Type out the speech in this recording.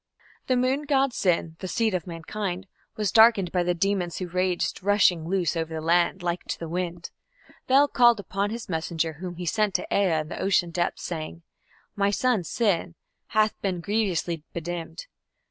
The moon god Sin, "the seed of mankind", was darkened by the demons who raged, "rushing loose over the land" like to the wind. Bel called upon his messenger, whom he sent to Ea in the ocean depths, saying: "My son Sin ... hath been grievously bedimmed".